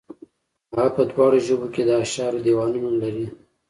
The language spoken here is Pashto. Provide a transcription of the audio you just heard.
هغه په دواړو ژبو کې د اشعارو دېوانونه لري.